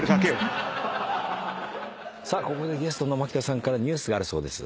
ここでゲストの蒔田さんからニュースがあるそうです。